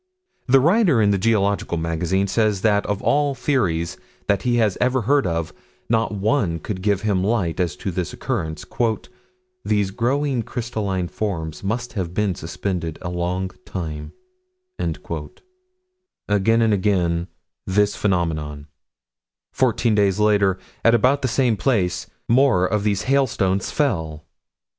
The writer in the Geological Magazine says that of all theories that he had ever heard of, not one could give him light as to this occurrence "these growing crystalline forms must have been suspended a long time" Again and again this phenomenon: Fourteen days later, at about the same place, more of these hailstones fell.